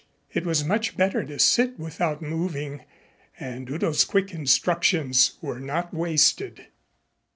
It was much better to sit without moving, and Udo's quick instructions were not wasted.